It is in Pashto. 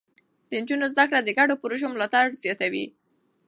د نجونو زده کړه د ګډو پروژو ملاتړ زياتوي.